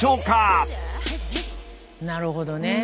なるほどね。